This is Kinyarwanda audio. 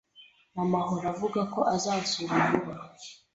Mama ahora avuga ko azansura vuba.